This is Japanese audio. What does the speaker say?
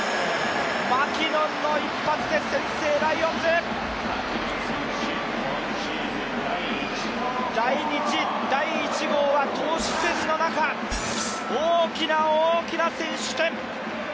マキノンの一発で先制、ライオンズ来日第１号は投手戦の中、大きな大きな先取点！